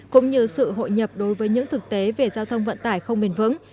cũng như sự hội nhập đối với những thực tế về giao thông vận tải không bền vững